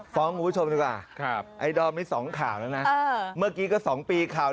สองคุณผู้ชมดีกว่าไอดอลมนี่สองข่าวแล้วนะเมื่อกี้ก็สองปี